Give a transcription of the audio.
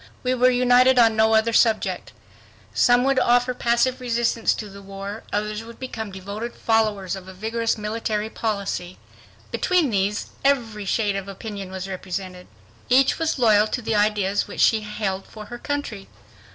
We were united on no other subject. Some would offer passive resistance to the war; others would become devoted followers of a vigorous military policy. Between these, every shade of opinion was represented. Each was loyal to the ideas which she held for her country.